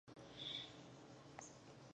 د ملالۍ قوم نه دی معلوم.